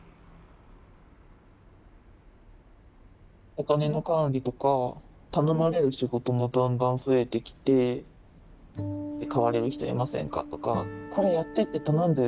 お金の管理とか頼まれる仕事もだんだん増えてきて「代われる人いませんか？」とか「これやってって頼んだよね？